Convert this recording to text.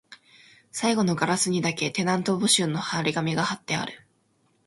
最後のガラスにだけ、テナント募集の張り紙が張ってある